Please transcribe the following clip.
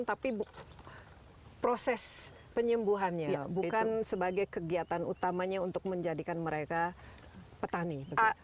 tapi proses penyembuhannya bukan sebagai kegiatan utamanya untuk menjadikan mereka petani